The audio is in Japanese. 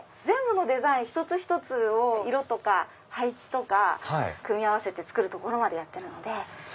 全部のデザイン一つ一つを色とか配置とか組み合わせて作るところまでやってるので。